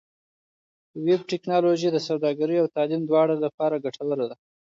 ویب ټکنالوژي د سوداګرۍ او تعلیم دواړو لپاره ګټوره ده.